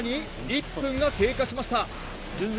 １分が経過しました